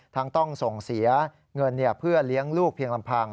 ต้องส่งเสียเงินเพื่อเลี้ยงลูกเพียงลำพัง